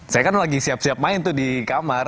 saya kan lagi siap siap main tuh di kamar